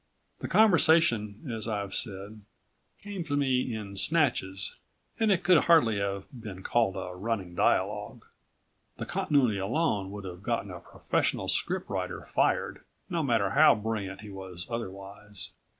The conversation, as I've said, came to me in snatches and it could hardly have been called a running dialogue. The continuity alone would have gotten a professional script writer fired, no matter how brilliant he was otherwise.